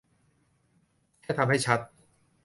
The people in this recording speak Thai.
แค่ทำให้ชัด